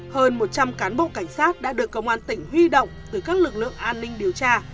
hơn một trăm linh cán bộ cảnh sát đã được công an tỉnh huy động từ các lực lượng an ninh điều tra